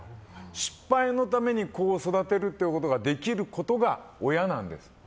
失敗のために、子を育てるってことができることが親なんです。